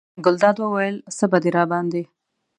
ګلداد وویل: څه به دې راباندې.